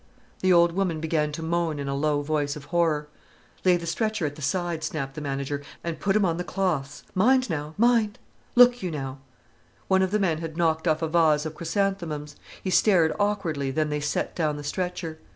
The old woman began to moan in a low voice of horror. "Lay th' stretcher at th' side," snapped the manager, "an' put 'im on th' cloths. Mind now, mind! Look you now——!" One of the men had knocked off a vase of chrysanthemums. He stared awkwardly, then they set down the stretcher.